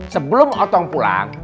sebelum otong pulang